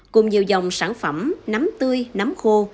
cùng nhiều dòng sản phẩm nấm tươi nấm khô